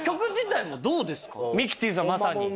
ミキティさんまさに。